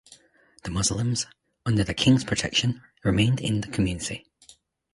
The Muslims, under the "King's protection" remained in the community.